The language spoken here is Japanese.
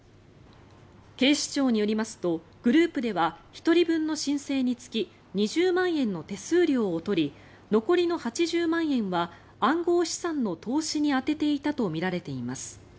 警視庁によりますとグループでは１人分の申請につき２０万円の手数料を取り残りの８０万円は暗号資産の投資に充てていたとみられています。